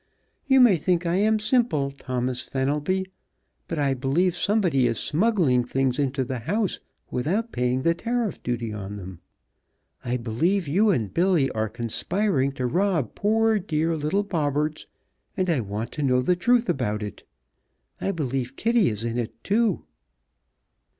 You may think I am simple, Thomas Fenelby, but I believe somebody is smuggling things into the house without paying the tariff duty on them! I believe you and Billy are conspiring to rob poor, dear little Bobberts, and I want to know the truth about it! I believe Kitty is in it too!"